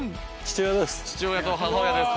父親と母親です。